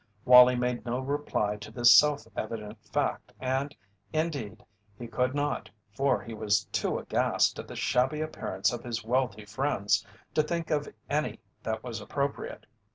Wallie made no reply to this self evident fact and, indeed, he could not, for he was too aghast at the shabby appearance of his wealthy friends to think of any that was appropriate.